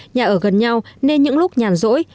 nhà ở gần nhau nên những lúc nhàn rỗi